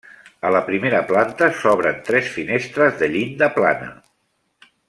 A la primera planta s'obren tres finestres de llinda plana.